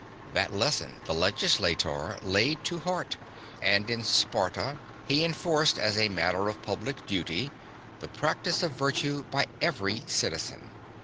(4) That lesson the legislator laid to heart, and in Sparta he enforced, as a matter of public duty, the practice of virtue by every citizen.